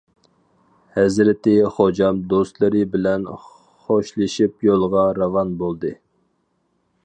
ھەزرىتى خوجام دوستلىرى بىلەن خوشلىشىپ يولغا راۋان بولدى.